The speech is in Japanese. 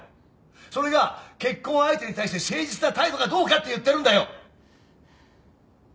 それが結婚相手に対して誠実な態度かどうかって言ってるんだよ！